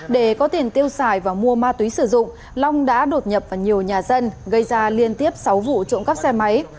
để có tiền tiêu xài và mua ma túy sử dụng long đã đột nhập vào nhiều nhà dân gây ra liên tiếp sáu vụ trộm cắp xe máy